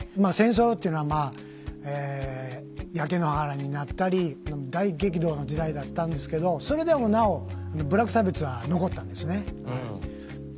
戦争っていうのは焼け野原になったり大激動の時代だったんですけどそれでもなお部落差別は残ったんですね。